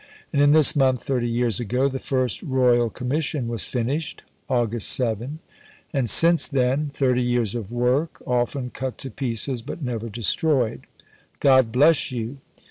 And in this month 30 years ago the first Royal Commission was finished (Aug. 7). And since then, 30 years of work often cut to pieces but never destroyed. God bless you!